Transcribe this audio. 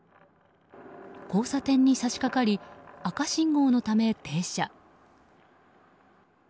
交差点に差し掛かり赤信号のため、停車。